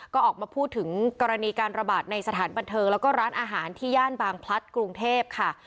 ก็ออกมาพูดถึงกรณีการระบาดในสถานบันเทิงแล้วก็ร้านอาหารที่ย่านบางพลัดกรุงเทพค่ะ